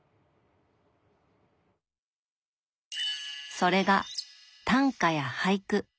それが短歌や俳句。